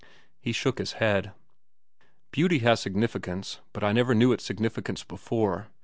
He shook his head. "Beauty has significance, but I never knew its significance before.